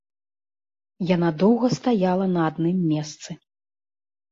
Яна доўга стаяла на адным месцы.